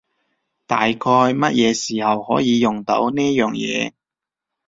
大概乜嘢時候可以用到呢樣嘢？